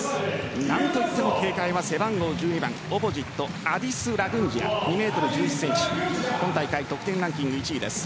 何といっても警戒は背番号１２番・オポジットアディス・ラグンジヤ２ｍ１１ｃｍ今大会得点ランキング１位です。